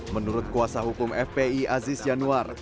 menurut kuasa hukum fpi aziz yanuar